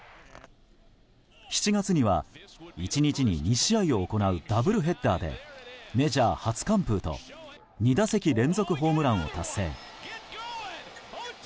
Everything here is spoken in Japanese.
７月には１日に２試合を行うダブルヘッダーでメジャー初完封と２打席連続ホームランを達成。